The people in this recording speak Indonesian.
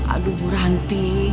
aduh bu ranti